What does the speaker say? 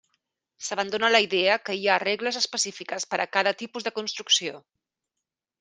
S'abandona la idea que hi ha regles específiques per a cada tipus de construcció.